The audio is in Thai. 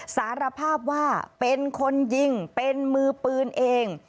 สารภาพว่าเป็นคนยิงเป็นมือปืนเอง